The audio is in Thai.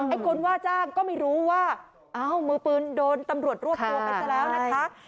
คนว่าจ้างก็ไม่รู้ว่าเอ้ามือปืนโดนตำรวจรวบตัวไปซะแล้วนะคะ